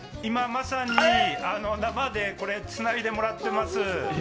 まさに今、生でつないでもらってます。